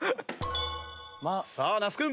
さあ那須君。